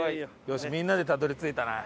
よしみんなでたどり着いたな。